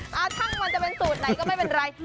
ช่างมันจะเป็นสูตรไหนก็ไม่เป็นไร